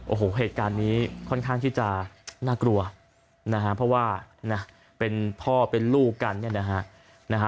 โอ้โหเหตุการณ์นี้ค่อนข้างที่จะน่ากลัวนะฮะเพราะว่านะเป็นพ่อเป็นลูกกันเนี่ยนะฮะ